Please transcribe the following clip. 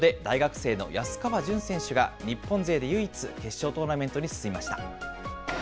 男子スピードで大学生の安川潤選手が日本勢で唯一、決勝トーナメントに進みました。